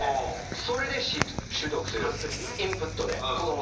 それで習得するインプットで子供たちが。